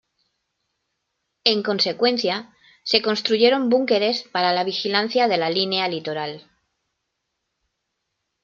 En consecuencia, se construyeron búnkeres para la vigilancia de la línea litoral.